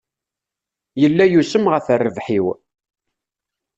Yella yusem ɣef rrbeḥ-iw.